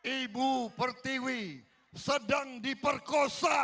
ibu pertiwi sedang diperkosa